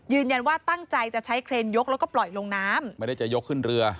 ยืนยันว่าตั้งใจจะใช้เครนยกแล้วก็ปล่อยลงน้ำไม่ได้จะยกขึ้นเรือ